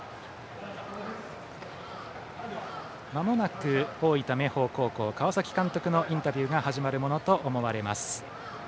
まもなく大分・明豊高校川崎監督のインタビューが始まるものと思われます。